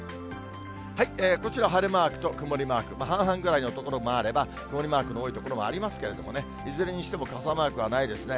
こちら、晴れマークと曇りマーク、半々くらいの所もあれば、曇りマークの多い所もありますけれどもね、いずれにしても傘マークはないですね。